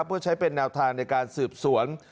เพื่อใช้เป็นแนวทางในการสืบสวน